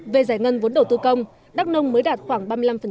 về giải ngân vốn đầu tư công đắk nông mới đạt khoảng ba mươi năm